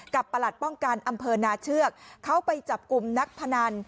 ประหลัดป้องกันอำเภอนาเชือกเขาไปจับกลุ่มนักพนัน